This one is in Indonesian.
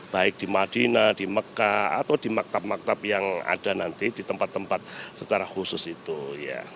baik di madinah di mekah atau di maktab maktab yang ada nanti di tempat tempat secara khusus itu ya